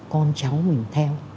con cháu mình theo